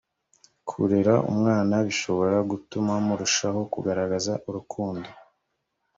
kurera umwana bishobora gutuma murushaho kugaragaza urukundo